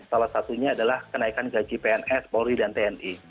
salah satunya adalah kenaikan gaji pns polri dan tni